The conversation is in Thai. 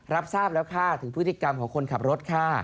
รับทราบแล้วค่ะถึงพฤติกรรมของคนขับรถค่ะ